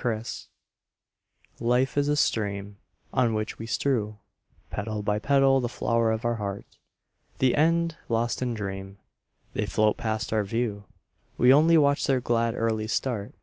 Petals Life is a stream On which we strew Petal by petal the flower of our heart; The end lost in dream, They float past our view, We only watch their glad, early start.